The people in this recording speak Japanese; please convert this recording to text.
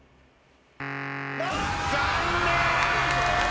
残念！